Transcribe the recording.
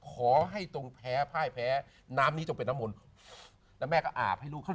ขอให้ตรงแพ้พ่ายแพ้น้ำนี้จงเป็นน้ำมนต์แล้วแม่ก็อาบให้ลูกขึ้น